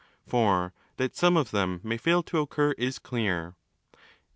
For that some of them may fail to occur, is clear.